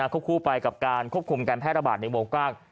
คู่ไปกับการควบคุมการแพร่ระบาดในวงกว้าง